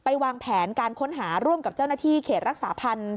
วางแผนการค้นหาร่วมกับเจ้าหน้าที่เขตรักษาพันธ์